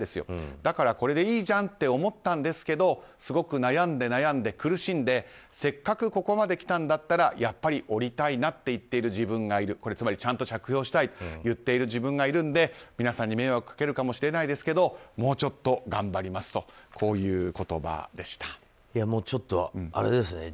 だから、これでいいじゃんって思ったんですけどすごく悩んで、悩んで苦しんでせっかくここまできたんだったらやっぱり降りたいなって言っている自分がいるつまりちゃんと着氷したいと言っている自分がいるので皆さんに迷惑かけるかもしれないですけどもうちょっと頑張りますとちょっと、あれですね。